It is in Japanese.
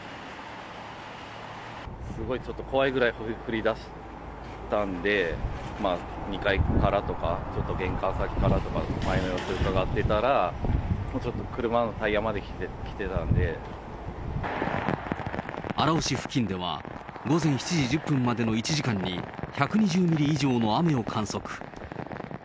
すごいちょっと怖いぐらい降りだしたんで、２階からとか、ちょっと玄関先からとか、前の様子をうかがってたら、もうちょっと、荒尾市付近では、午前７時１０分までの１時間に、１２０ミリ以上の雨を観測。